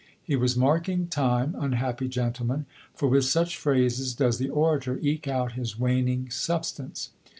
He was marking time, unhappy gentleman, for with such phrases does the orator eke out his waning substance.